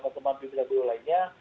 dan beberapa teman pimpinan buruh lainnya